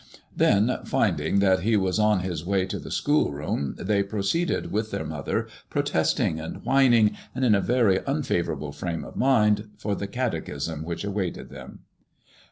Then, finding that he was on his way to the schoolroom, they pro ceeded with their mother, pro testing and whining, and in a very nnfavourable firame of mind, for the catechism which awaited them.